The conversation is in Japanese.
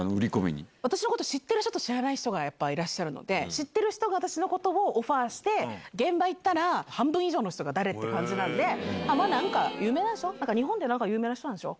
私のこと知ってる人と知らない人が、やっぱりいらっしゃって、知ってる人が私のことをオファーして、現場行ったら、半分以上の人が誰？って感じなんで、ま、なんか、有名なんでしょ、日本でなんか有名な人なんでしょ？